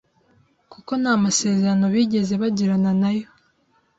kuko nta masezerano bigeze bagirana nayo